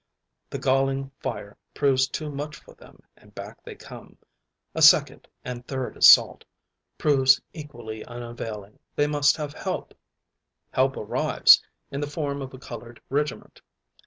The galling fire proves too much for them and back they come. A second and third assault proves equally unavailing. They must have help. Help arrives, in the form of a colored regiment.